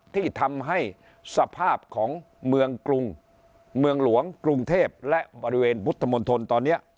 ที่ทำให้สภาพของเมืองกรุงเมืองหลวงกรุงเทพและบริเวณพุทธมนตรตอนนี้